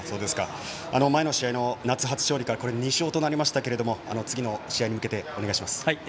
前の試合の初勝利からこれで２勝となりましたが次の試合に向けてお願いします。